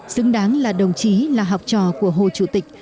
xứng đáng là đồng chí là học trò của hồ chủ tịch